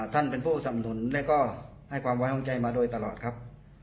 ท่านเป็นผู้สำนุนและก็ให้ความไว้วางใจมาโดยตลอดครับ